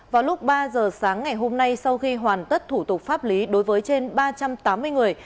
vào lúc ba giờ sáng ngày hôm nay sau khi hoàn tất thủ tục pháp lý đối với trên ba trăm tám mươi người